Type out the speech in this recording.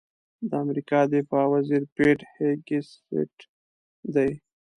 د امریکا دفاع وزیر پیټ هېګسیت دی.